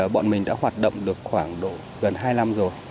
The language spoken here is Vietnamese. bọn mình đã hoạt động được khoảng gần hai năm rồi